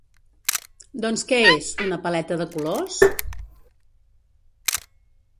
Doncs què és, una paleta de colors?